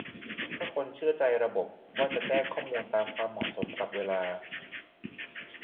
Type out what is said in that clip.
ถ้าคนเชื่อใจระบบว่าจะแจ้งข้อมูลตามความเหมาะสมกับเวลา